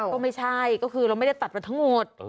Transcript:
ก็ไม่ใช่ก็คือเราไม่ได้ตัดประทะโงต